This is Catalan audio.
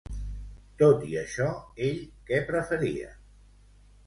Tot i això, ell què preferia?